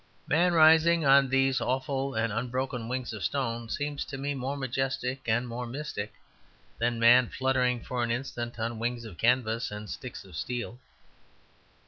Man rising on these awful and unbroken wings of stone seems to me more majestic and more mystic than man fluttering for an instant on wings of canvas and sticks of steel.